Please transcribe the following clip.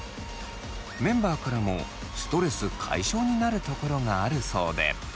メンバーからもストレス解消になるところがあるそうで。